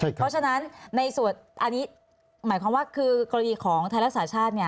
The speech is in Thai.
เพราะฉะนั้นในส่วนอันนี้หมายความว่าคือกรณีของไทยรักษาชาติ